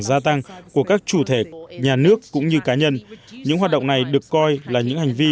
gia tăng của các chủ thể nhà nước cũng như cá nhân những hoạt động này được coi là những hành vi